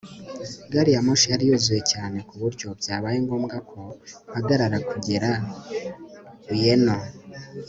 gari ya moshi yari yuzuye cyane ku buryo byabaye ngombwa ko mpagarara kugera ueno